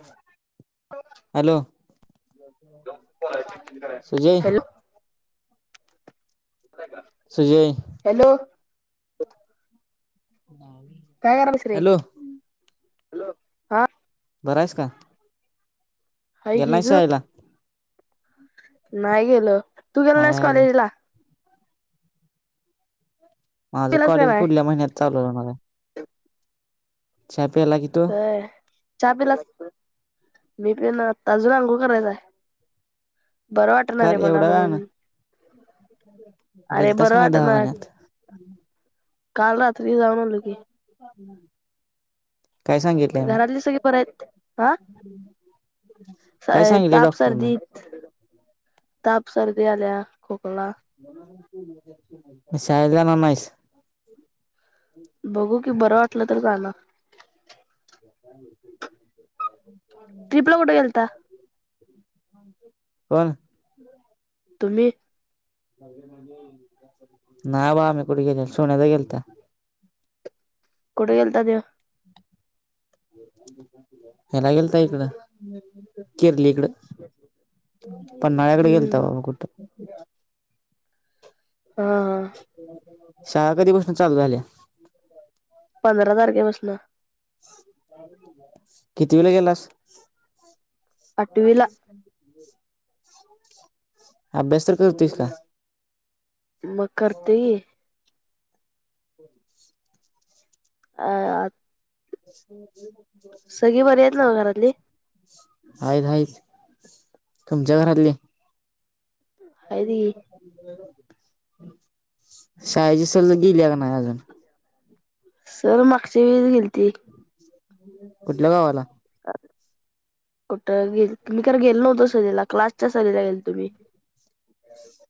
हम [unintelligible] hello, Sujay. Hello Sujay hello [unintelligible] hello. Hello, हाऽऽ बररा आहेस का. हाय गेला की नाहिस तू शाळेला. नाही गेलो, तू गेला नाहिस हाय ब कॉलेजला. माझं पिलास का कॉलेज नाही पुढल्या महिन्यात चालू होणार हाय. प [unintelligible] वय,, च्या पिलाऽ मी पि न आताच, आजून अंगुळ करायचा य बरं वाटणार का आहे रे म्हणा एवढ्या म्हणून. वेळानं अरे गेलतास बरं का नाई वाटणार दवाखान्यात. काल रात्री जाऊन आलो की. काय सांगितलंय मी घरातली सगळी बरीआहेत काय,, काय हांऽऽ सत, सांगितले ताप, डॉक्टरनं सर्दी, ताप, सर्दी आल्या खूपऽऽ म साळेत जाणार नाहीसऽ बघू कि बरं वाटलं तर जाणार, ट्रिपला कुठे गेलता [unintelligible] कोण तुम्ही नाय बा आम्ही कुठं गेलेलो,, सोन्यादा गेलता ऽ कुठ गेलता तेव ह्याला गेलता इकडं, केरली कड, पन्हाळ्याकडं गेलता हम्म बाबा कुठं, हा, ह शाळा कधीपासन चालू झाल्या. पंधरा तारखेपासनं. कितीविला गेलास. वा आठवीला [unintelligible] अभ्यास तर करतुयस का? मग करतय की. हो [unintelligible] अऽऽ अ सगळी बरी आहेत ना घरातली आहेतच आहेतच तुमच्या घरातले आहे ती शाळेची गेल्या का नाही अजून सर मागची वेळ गेलती कुठल्या गावाला कुठं गे्ी ख गेल नव्हतो सरीला क्लासच्या सरीला गेल तुम्ही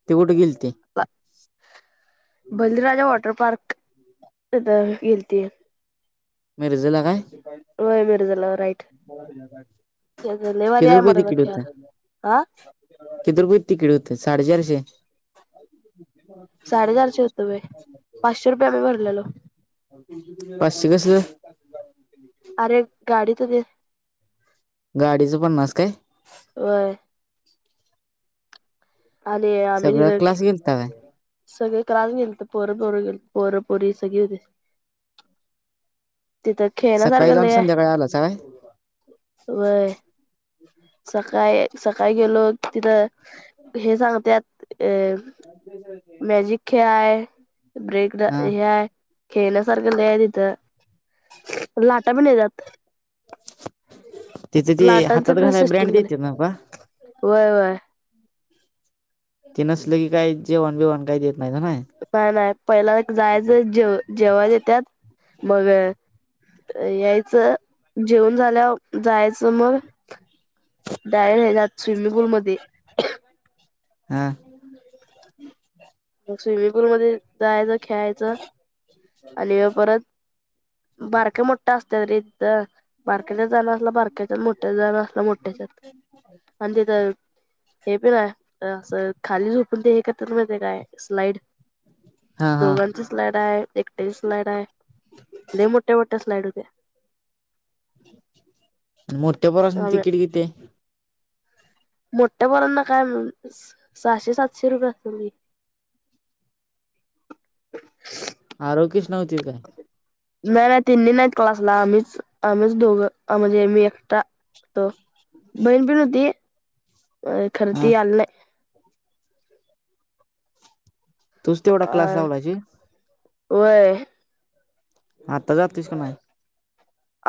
ते कुठे गेल ते बलराजा वॉटर पार्क गेलती मिरझेला काय होय मिरज राईट ते ल किती वर्याय मतख हह किथ प तिकीड होते साडेचारशे साडेचारशे होतो व पाचशे रुपये आम्ही भरलेलो. पाचशे कसले? अरे गाडी तु ते गाडीचं पन्नास काय? होय. आणि आम्ही सगळा जिथ क्लास गेलता काय सगळे क्लास गेल तर पोर पोर गेल पोरं पोरी सगळी होते. तिथं सकाळी खेळण्यासारखे जाऊन लय आहे संध्याकाळी आलाचा काय व्हय. सकाळी सकाळी गेलो तिथं हे सांगतत अ मॅजिक खेय ब्रेक हा हेय खेळण्यासारख लय आहे तिथं. लाटा भी नाही जात तिचे ते हातात पण घालायला ब्रँड सिस्टीम देत केलंय न का व्हय व्हय. ते नसल की काय जेवन बीवन काय देत नाही ना नाही नाही पहिला जायचं जेव जेवात देत्यात मग यायचं जेवन झाल्या जायचं मग बायर नाही जात स्विमिंगपूल मध्ये हा. मग स्विमिंग पूलमध्येध्ये जायचं खेळायचं आणि परत बारके मोठ्ठा असत तरी बारक्याच्या जाण असला बारकेच्यात मोठ्याच जण असला मोठ्याच्यात आणि तिथं हे पण आहे असं खाली झोपून तेत मा काय स्लाईड हा हा दोघांची स्लाईड आहे. मोे स्लाईड आहे मोठे मोठ्या स्लाईड होत्या. आणि मोठ्यापरासन होत्या तिकीट किती मोठ्यापोरांना काय म्ह सहाशे सातशे रुपये असेल. [unintelligible] [inaudible] आरोगीच नव्हती काय. नाही नाही तिनही नाहीत क्लासला आम्हीच आम्हीच दोघं आ म्हजे मी एकटा त बहीण पीण होती. अ खर हा ती आल नाही. तुझ तेवढा क्लास लावलायची व्हय. आता जातीस का नाही.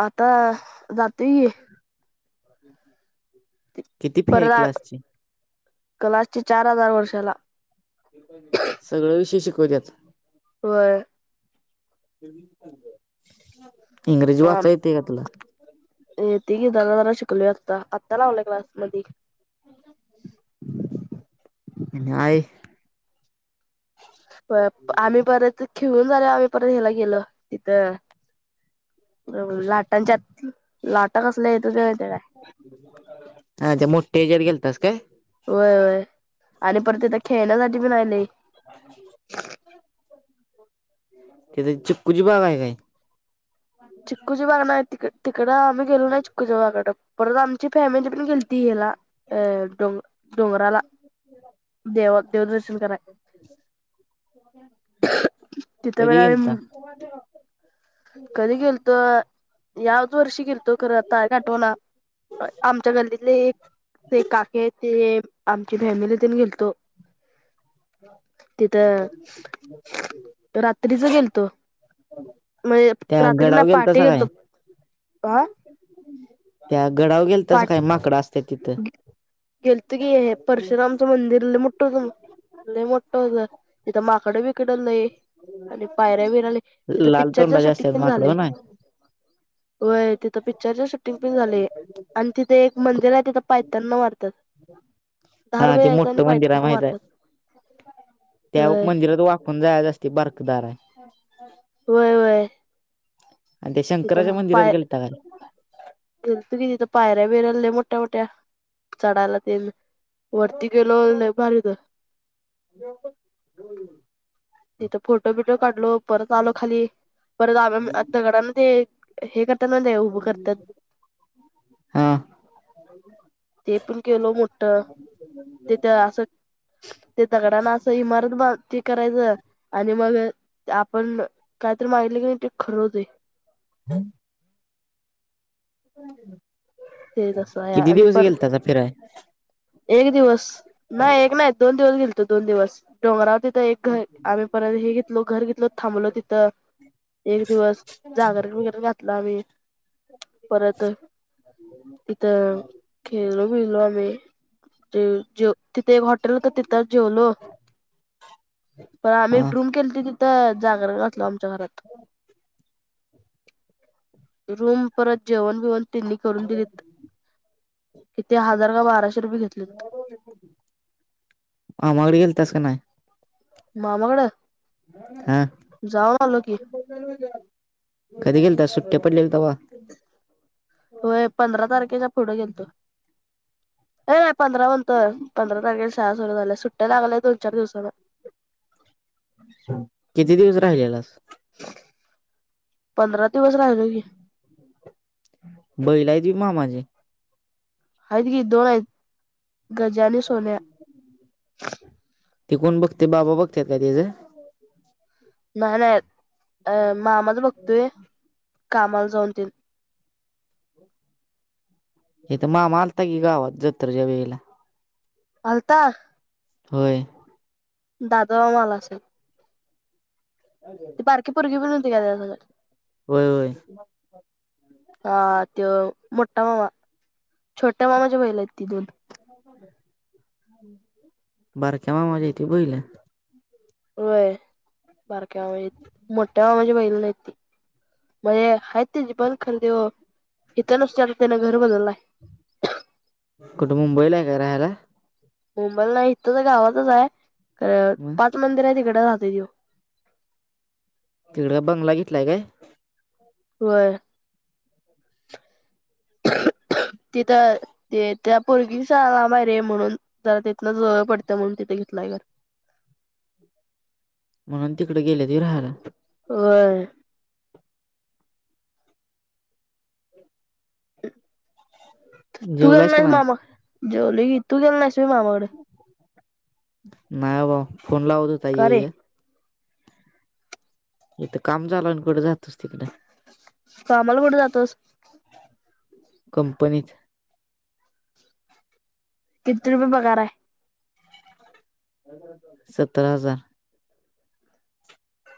आता जातोय कि. किती फी हाय क्लासची. कला सगळं विषय शिकवत्यात. व्हय. इंग्रजी वाचायं येतय काय तुला. येते की जरा जरा शिकलोय आता आत्ता लावलाय क्लास मध्ये न्हाय. प आम्ही परत खेळून झालो आम्ही परत ह्याला गेलो तिथं लाटांच्यात लाटा कसल्या येत ते मा ते काय ह मोठे. होय होय. आणि पर तिथ खेळण्यासाठी पण आयले. तेथ चिकुची बाग आहे काय? चिक्कूची बागा नाही, तिक तिकडं आम्ही गेलो नाही चिक्कूच्या बागाड परत आम त फॅमिली पण गेलती हिला अ डोंग डोंगराला देव देवदर्शन कराय [inaudible] तिथे वेला आम गेलता कध गेलतो यावद् वर्ष गेल्तो खर आता कठवणा आमच्या गल्लीतले एक ते काके ते आमच्या फॅमिलीतून गेलतो. तिथं रात्रीच गेलतो. म त्या रात्री ना गडाव गेलतासा पाठीे काय घतो ह त्या गडावर गेल तसं काय माकडं असत तिथं गेलत गी परशुरामचं मंदिर ल मोठं होत ल मोठ होत तिथ माकडे बिकडल लंय आणि पायऱ्या बिरले तिथं लाल पिक्चरच्या तोंडाचे शुटिंग असत्यात पण माकडं झाले हो नाय होय तिथं पिक्चरच्या शूटिंग पण झालेय तिथे एक मंदिर आहे तिथं पायतणना मारतात हा दहा रुपये ते द्यायचं मोठ आणि मंदिर हाय पायतांना माहित आहे मारतात त्या होय मंदिरात वाकून जायाच असते बरकदार आहे. होय वय आणि ते शंकराच्या मंदिरात गेलता काय. ऱ्या बिरल मोठ्या-मोठ्या चढायला तेन वरती गेलो लाईभारी होत [inaudible] तिथं फोटो बिटो काढलो परत आलो खाली परत आम दगडा ना ते हे करतात ना ते उभं करतात हा, ते पण केलो मोठ तेथ असं ते दगडाना असं त करायचं आणि मग आपण कायतर मागीतलं की नाही ते खरहोतय. हम, ते तसं [inaudible] आहे किती आणि दिवस पर गेलतासा फेराय एक दिवस नाही एक नाही दोन दिवस गेल तो दोन दिवस डोंगरावर एक घर आम्ही परत हे घेतलो घर घेतलो थांबलो तिथं एक दिवस जागर वगैरे घातलं आम्ही परत तिथं खेळलो बिलो आम्ही ते जे तिथे एक हॉटेल होत तिथं जेवलो प आम्ही हा रूम केलती तिथं जागर घातलो आमच्या घरात रूम परत जेवण बिवण तेनी करून दिलीत, किती हजार का बाराशे रुपये घेतलेत [inaudible] मामाकडे गेलतास का नाय? मामा कड हा कधी गेलतास सुट्ट्या पडल्या तवा होय पंधरा तारखेचा पुढे गेलतो ए पंधरा म्हणतोय पंधरा तारखेला शाळा सुरू झालंय सुट्ट्या लागलेय दोन चार दिवसान. [inaudible] किती दिवस राहिलेलास. पंधरा, दिवस राहिलो की [inaudible] बैलायत वय मामाचे. हायत कि दोन आत [unintelligible] ते कोण बघतय बाबा बघत्यात का त्याचं नाही नाही अ मामाच बघतोय कामाला जाऊन तेन हेथ मामा आलता कि गावात जत्रच्या् वेळेला आलता होय दादामामा आला असेल ते बारकीे परगी पण होती का त्याच्या संग होय होय हा त्यो मोठा मामा छोट्या मामाच्या बैलयत ती दोन बारक्या मामाचे हायत बैल होय बारक्या मामाचेयत मोठ्या मामाचे नाहीत ती मजे हायत तेजे पण खण त्यो इथं नसतं आता त्यान घर बदललाय कुठे मुंबईला आहे काय राहायला मुंबल नाही इतच हाय गावातच आहे मग पाच मंदिर आहे तिकडे क रहातदय त्यो तिकडं बंगला घेतलाय काय होय तिथं ते त्या पोरगीस बाहेरे म्हणून जरा तिथलं जवळ पडतं म्हणून तिथं घेतलंय घर [unintelligible] म्हणून तिकडे गेलेत व्हय राहायला होय [unintelligible] जेवला हायस का नाय जेवली कि तू जेवलणीस मामाकड नाही अबा फोन लावत व्हता का ये रे ये इथं काम चालुय आण कुठ जातोस तिकड कामाला कुठ जातोस कंपनीत [unintelligible] किती रुपये पगाराय सतरा हजार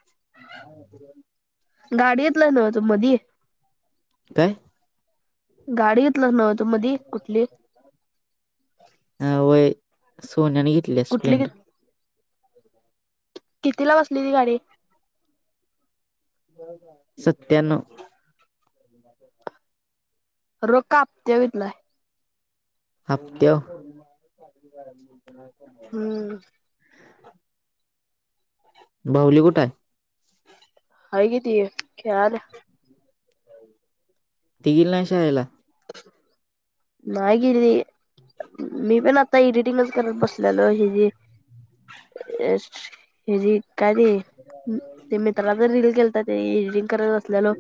[unintelligible] गाडी घेतला नव तू मधी काय गाडीे घेतलस नव्ह तु मधी कुठली अ वय सोन्याने घेतल्या कुठली स्प्लेंडर किती ला बसलेली गाडी सत्त्याण्णव रोक हापत्यावर घेतलाय हप्त्यावर हम्म बाहुली कुठ आहे हाय कि ती खेळाय लागल्या ति गेली नाही शाळेला ह [unintelligible] नाही गेली मी पण आता एडिटिंगच करत बसलेलो हिजी हेजी का र ते मित्राच रील केलता ते एडिटिंग करत बसलेलो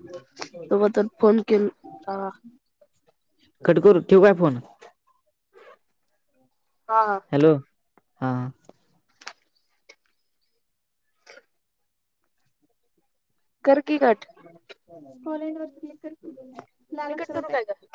तोपतर फोन केल हा कट करु ठेवु काय फोन? हा हॅलो हाहा करकी कट. कॉलेज वर क्लिक कर कि लाल मी कट करू अक्षरात काय ग हाय.